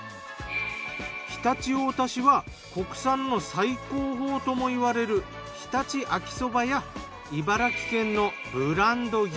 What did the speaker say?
常陸太田市は国産の最高峰ともいわれる常陸秋そばや茨城県のブランド牛